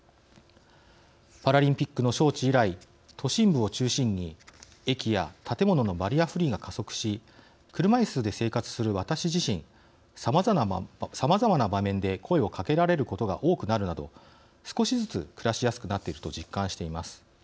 パラリンピックの招致以来都心部を中心に駅や建物のバリアフリーが加速し車いすで生活する私自身さまざまな場面で声をかけられることが多くなるなど少しずつ暮らしやすくなっていると実感しています。